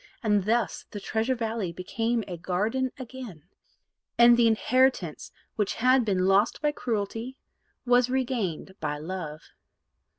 And thus the Treasure Valley became a garden again, and the inheritance which had been lost by cruelty was regained by love.